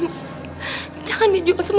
semua kamu cara cara